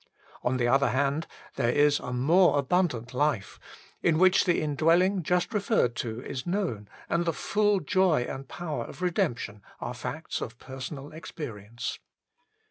On the other hand, there is a more abundant life, in which the indwelling just referred to is known and the full joy and power of redemption are facts of personal ex perience.